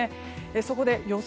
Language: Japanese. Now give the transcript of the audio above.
そこで予想